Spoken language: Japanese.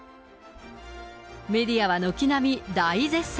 メディアは軒並み大絶賛。